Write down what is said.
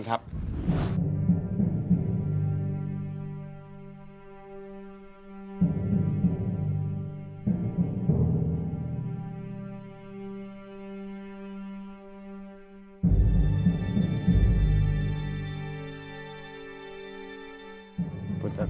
มะพร้าวอ่อนมะพร้าวอ่อน